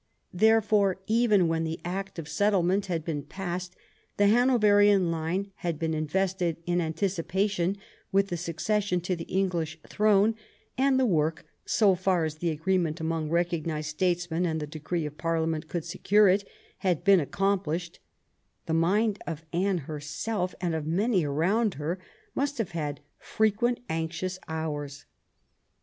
Therefore, even when the Act of Settlement had been passed, the Hanoverian line had been invested in an ticipation with the succession to the English throne, and the work, so far as the agreement among recognized statesmen and the decree of Parliament could secure it, had been accomplished, the mind of Anne herself and of many around her must have had frequent anxious hours.